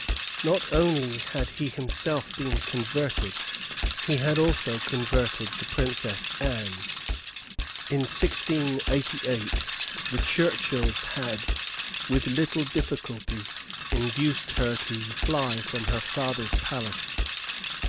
Not only had he been himself converted; he had also converted the Princess Anne. In 1688, the Churchills had, with little difficulty, induced her to fly from her father's palace.